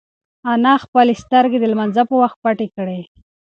انا خپلې سترگې د لمانځه په وخت پټې کړې.